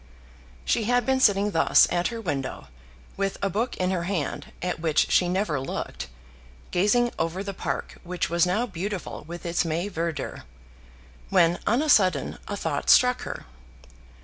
She had been sitting thus at her window, with a book in her hand, at which she never looked, gazing over the park which was now beautiful with its May verdure, when on a sudden a thought struck her.